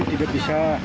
itu tidak bisa